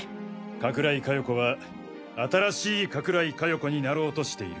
加倉井加代子は新しい加倉井加代子になろうとしている。